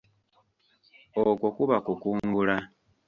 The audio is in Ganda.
Okwo kuba kukungula.